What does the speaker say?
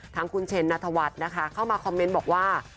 ทั้งคุณเชนนัทวัฒน์นะคะเข้ามาคอมเมนต์บอกว่า